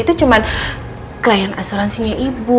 iberapa gua kan nengeseknya